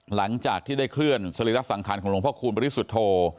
หลังจากที่ได้เคลื่อนสรีระสังขารของหลวงพ่อคูณบริสุทธโธ